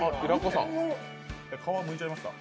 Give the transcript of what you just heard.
皮、むいちゃいました。